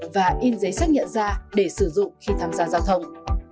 và in giấy xác nhận ra để sử dụng khi tham gia giao thông